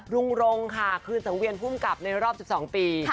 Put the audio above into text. รุงรงค์คือสวีียนผู้กลับในรอบ๑๒ปี